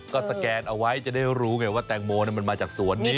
ก็สแกนเอาไว้จะได้รู้ไงว่าแตงโมมันมาจากสวนนี้